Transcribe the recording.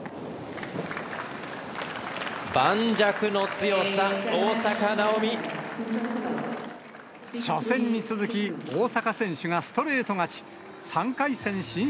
盤石の強さ、初戦に続き、大坂選手がストレート勝ち。